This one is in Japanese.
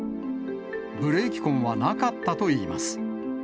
ブレーキ痕はなかったといいます。